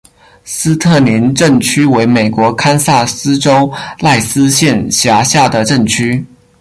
斯特宁镇区为美国堪萨斯州赖斯县辖下的镇区。